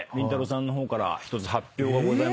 さんから１つ発表がございます。